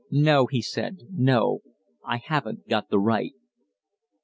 "No," he said. "No I haven't got the right."